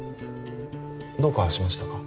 どうかしましたか？